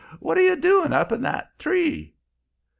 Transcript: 'What are you doing up in that tree?'